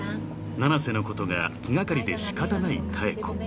［七瀬のことが気掛かりで仕方ない妙子］